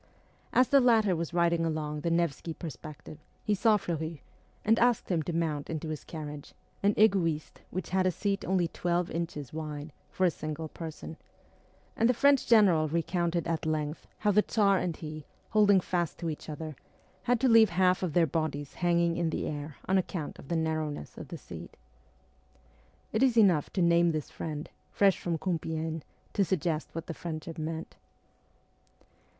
As the latter was riding along the Nevsky Perspective he saw Fleury, and asked him to mount into his carriage, an ego'iste which had a seat only twelve inches wide, for a single person ; and the French general recounted at length how the Tsar and he, holding fast to each other, had to leave half of their bodies hanging in the air on account of the narrowness of the seat. It is enough to name this friend, fresh from Compiegne, to suggest what the friendship meant.